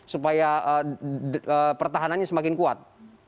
supaya pertahanannya semakin kuat